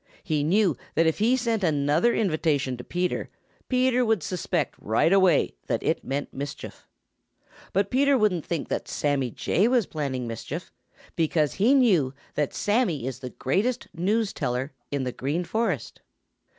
He knew that if he sent another invitation to Peter, Peter would suspect right away that it meant mischief. But Peter wouldn't think that Sammy Jay was planning mischief, because he knew that Sammy is the greatest news teller in the Green Forest.